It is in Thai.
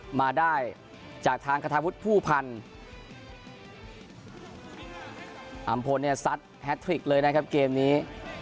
มาได้จากทางคาทาวุฒิผู้พันธ์อำพลเนี่ยซัดแฮทริกเลยนะครับเกมนี้